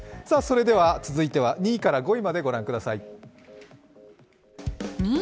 続いては２位から５位までご覧ください。